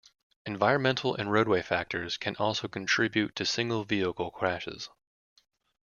Environmental and roadway factors can also contribute to single-vehicle crashes.